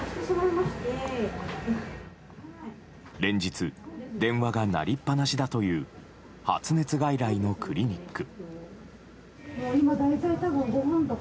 連日電話が鳴りっぱなしだという発熱外来のクリニック。